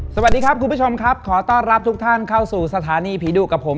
สวัสดีครับคุณผู้ชมครับขอต้อนรับทุกท่านเข้าสู่สถานีผีดุกับผม